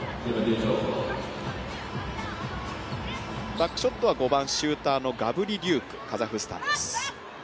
バックショットは５番シューターのガヴリリューク、カザフスタン。